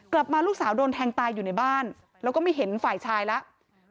ลูกสาวโดนแทงตายอยู่ในบ้านแล้วก็ไม่เห็นฝ่ายชายแล้ว